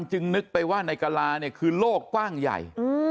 จึงนึกไปว่าในกลาโลกกว้างใหญ่